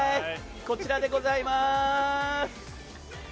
こちらでございます。